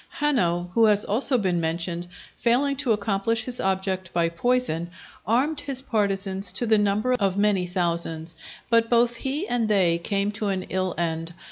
Hanno, who has also been mentioned, failing to accomplish his object by poison, armed his partisans to the number of many thousands; but both he and they came to an ill end.